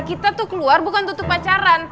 kita tuh keluar bukan tutup pacaran